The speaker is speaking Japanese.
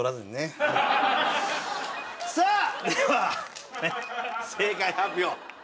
さあでは正解発表。